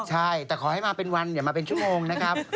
ใช่แต่ขอให้มาเป็นวันอย่ามาเป็นชั่วโมงนะครับ